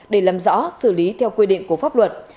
để làm rõ xử lý theo quy định của pháp luật